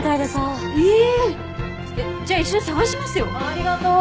ありがとう。